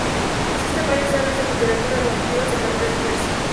Existen varias sagas de literatura de vampiros, de calidad diversa.